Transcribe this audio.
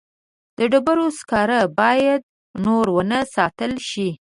د ډبرو سکاره باید نور ونه ساتل شي.